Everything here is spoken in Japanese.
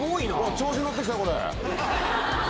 調子乗ってきたよ、これ。